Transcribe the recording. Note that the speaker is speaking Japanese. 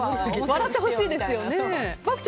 笑ってほしいですよね。